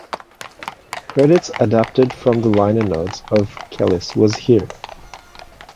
Credits adapted from the liner notes of "Kelis Was Here".